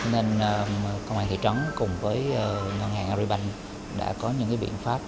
nên công an thị trấn cùng với ngân hàng agribank đã có những biện pháp